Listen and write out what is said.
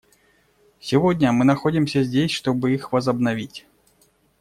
Сегодня мы находимся здесь, чтобы их возобновить.